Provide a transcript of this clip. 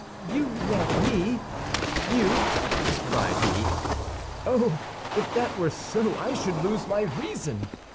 "You love me, you!" cried he. "Oh, if that were so, I should lose my reason!"